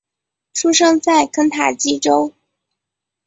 出生在肯塔基州。